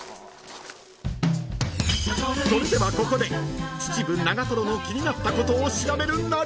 ［それではここで秩父長瀞の気になったことを調べる］